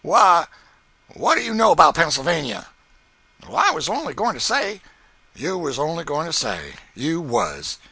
Wha—what do you know 'bout Pennsylvania?" "I was only goin' to say—" "You was only goin' to say. You was!